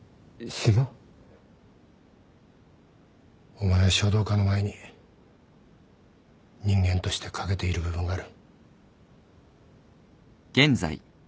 お前は書道家の前に人間として欠けている部分がある